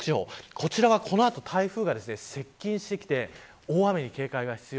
こちらはこの後、台風が接近してきて大雨に警戒が必要